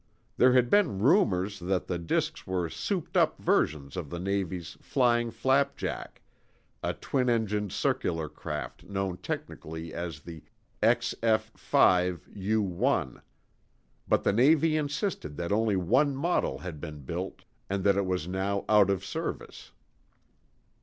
There had been rumors that the disks were "souped up" versions of the Navy's "Flying Flapjack," a twin engined circular craft known technically as the XF 5 U 1. But the Navy insisted that only one model had been built, and that it was now out of service.